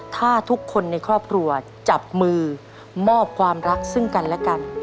ถ้าทุกคนในครอบครัวจับมือมอบความรักซึ่งกันและกัน